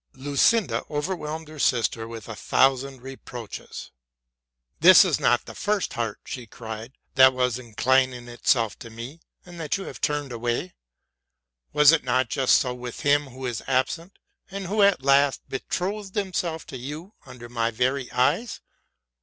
Lucinda overwhelmed her sister with a thousand reproaches. '* This is not the first heart,'' she cried, '* that was inclining itself to me, and that you have turned away. Was it not just so with him who is absent, and who at last betrothed himself to you under my very eyes?